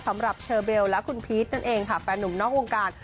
สำหรับเชอเบลและคุณพีชนั่นเองค่ะแฟนหนุ่มนอกวงการ